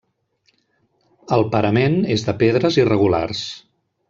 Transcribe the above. El parament és de pedres irregulars.